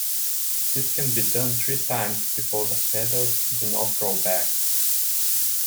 This can be done three times before the feathers do not grow back.